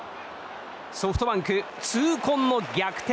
ソフトバンク痛恨の逆転